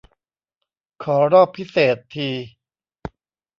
ขอรอบพิเศษ ที